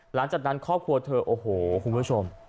หลังจากนั้นครอบครัวเธอโอ้โหคุณผู้ชม